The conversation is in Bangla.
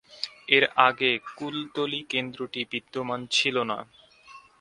এর আগে কুলতলি কেন্দ্রটি বিদ্যমান ছিল না।